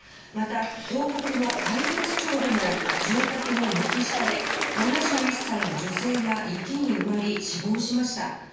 また道北の愛別町でも住宅の軒下で７１歳の女性が雪に埋まり死亡しました。